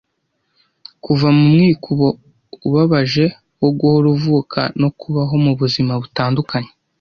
kuva mu mwikubo ubabaje wo guhora uvuka no kubaho mu buzima butandukanye